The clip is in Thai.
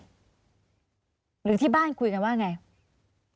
หรือที่บ้านคุยกันว่าไง